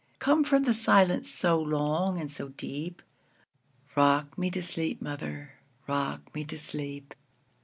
Come from the silence so long and so deep;—Rock me to sleep, mother,—rock me to sleep!